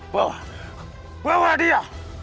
bawa bawa dia